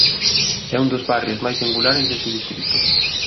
É un dos barrios máis singulares dese distrito.